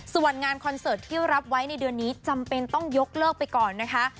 ส่วนงานคอนเสิร์ตที่รับไว้ในเดือนนี้จำเป็นต้องยกเลิกไปก่อนนะคะ